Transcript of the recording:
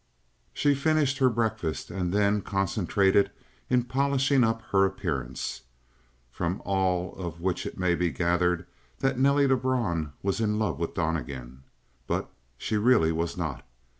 She finished her breakfast and then concentrated in polishing up her appearance. From all of which it may be gathered that Nelly Lebrun was in love with Donnegan, but she really was not.